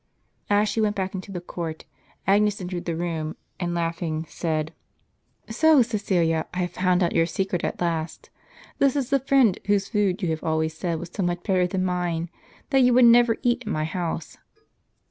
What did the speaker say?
As she went back into the court, Agnes entered the room, and laughing, said :" So, Csecilia, I have found out your secret at last. This is the friend whose food you have always said was so much better than mine, that you would never eat at my house.